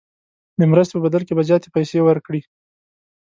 د مرستې په بدل کې به زیاتې پیسې ورکړي.